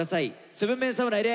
７ＭＥＮ侍で。